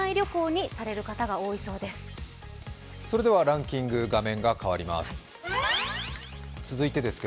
ランキング画面が変わります。